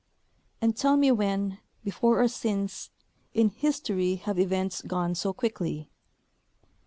And tell me when, before or since, in history have events gone so quickly